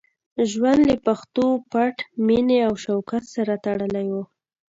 ژوند له پښتو، پت، مینې او شوکت سره تړلی وو.